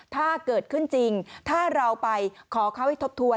ถ้าเกิดขึ้นจริงถ้าเราไปขอเขาให้ทบทวน